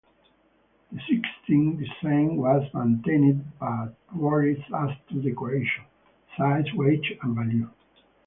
This 'Sixtine' design was maintained but varied as to decoration, size, weight and value.